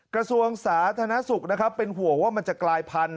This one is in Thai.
กระทรวงสาธารณสุขนะครับเป็นห่วงว่ามันจะกลายพันธุ